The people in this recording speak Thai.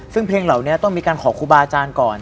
ซึ่งเพลงเหล่านี้ต้องมีการขอครูบาอาจารย์ก่อน